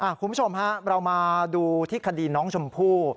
คุณผู้ชมฮะเรามาดูที่คดีน้องชมพู่